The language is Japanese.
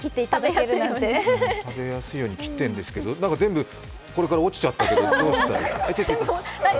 食べやすいように切ってるんですけど全部これから落ちちゃったけど。